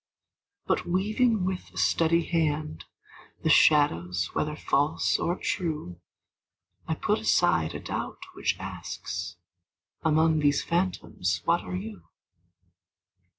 But weaving with a steady hand The shadows, whether false or true, I put aside a doubt which asks "Among these phantoms what are you?"